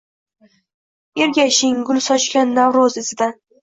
Ergashing gul sochgan Navro’z izidan.